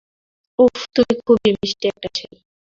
উফ, তুমি খুবই মিষ্টি একটা ছেলে।